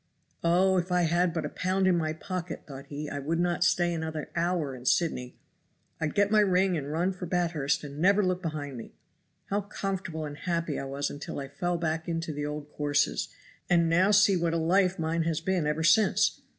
"Oh! if I had but a pound in my pocket," thought he, "I would not stay another hour in Sydney. I'd get my ring and run for Bathurst and never look behind me. How comfortable and happy I was until I fell back into the old courses, and now see what a life mine has been ever since!